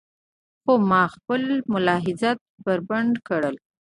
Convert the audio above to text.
خو ما خپلې ملاحظات بربنډ کړل.